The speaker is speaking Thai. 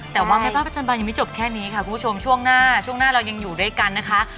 แต่ว่าแม่บ้านประจำบานยังไม่จบแค่นี้ค่ะคุณผู้ชมช่วงหน้าช่วงหน้าเรายังอยู่ด้วยกันนะคะ